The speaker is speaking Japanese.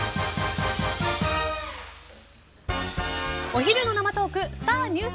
お昼の生トークスター☆